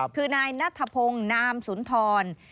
คือนายนัทพงศ์นามสุนทร